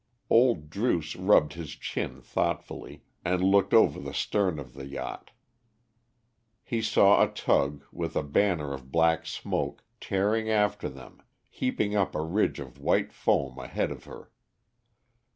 Old Druce rubbed his chin thoughtfully, and looked over the stern of the yacht. He saw a tug, with a banner of black smoke, tearing after them, heaping up a ridge of white foam ahead of her.